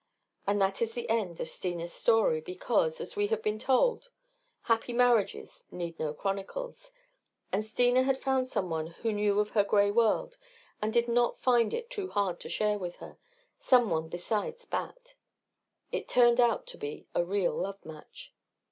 And that is the end of Steena's story because, as we have been told, happy marriages need no chronicles. And Steena had found someone who knew of her gray world and did not find it too hard to share with her someone besides Bat. It turned out to be a real love match.